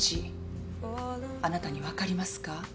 あなたに分かりますか？